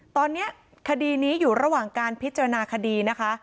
ตอนนี้คดีนี้อยู่ระหว่างการพิจารณาคดีนะคะ